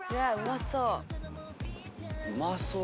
うまそう。